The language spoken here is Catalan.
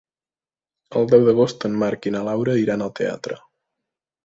El deu d'agost en Marc i na Laura iran al teatre.